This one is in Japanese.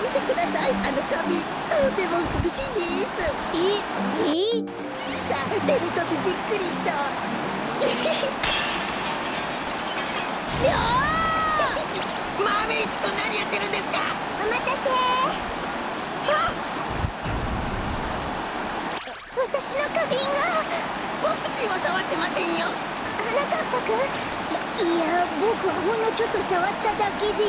いいやボクはほんのちょっとさわっただけで。